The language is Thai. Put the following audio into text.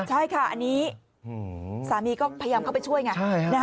ใช่ค่ะอันนี้สามีก็พยายามเข้าไปช่วยไง